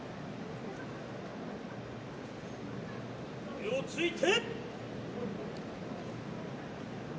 手をついて。